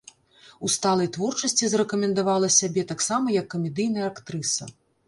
У сталай творчасці зарэкамендавала сябе таксама як камедыйная актрыса.